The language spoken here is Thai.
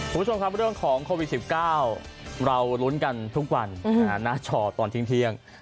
ผู้ชมครับเรื่องของโควิด๑๙เรารุ้นกันทุกวันน่าเฉาะตอนทิ้งเที่ยง